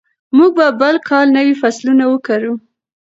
موږ به بل کال نوي فصلونه وکرو.